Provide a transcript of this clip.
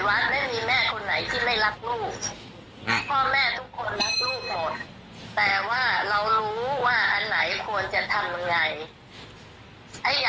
มันเป็นไรไม่ได้เพราะว่าสารเขาสั่งติดคุกแล้ว